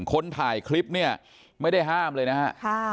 คนถ่ายคลิปเนี่ยไม่ได้ห้ามเลยนะฮะ